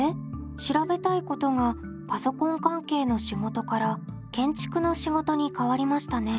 調べたいことがパソコン関係の仕事から建築の仕事に変わりましたね。